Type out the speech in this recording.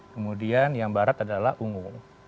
kemudian yang barat adalah ungu